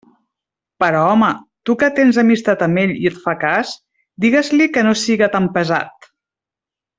Però home, tu que tens amistat amb ell i et fa cas, digues-li que no siga tan pesat!